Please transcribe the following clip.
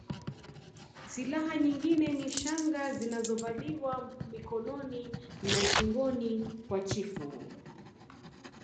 Silaha nyingine ni shanga zinazovaliwa mikononi na shingoni kwa chifu